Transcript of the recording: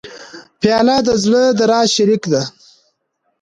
پیاله د زړه د راز شریک دی.